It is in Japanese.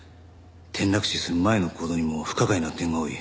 転落死する前の行動にも不可解な点が多い。